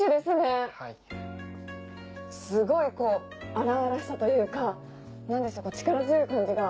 すごい荒々しさというか力強い感じが。